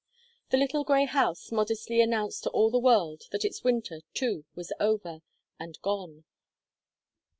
The little grey house modestly announced to all the world that its winter, too, was over and gone.